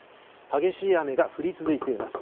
激しい雨が降り続いています。